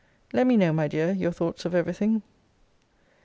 Let me know, my dear, your thoughts of every thing.